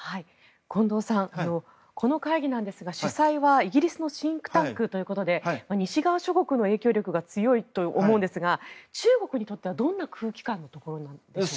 近藤さんこの会議なんですが主催はイギリスのシンクタンクということで西側諸国の影響力が強いと思うんですが中国にとってはどんな空気感ですか？